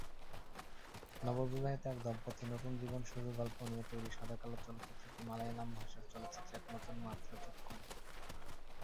নব বিবাহিত এক দম্পতি নতুন জীবন শুরু গল্প নিয়ে তৈরি সাদাকালো চলচ্চিত্রটি মালয়ালম ভাষার চলচ্চিত্রে এক নতুন মাত্রা যোগ করে।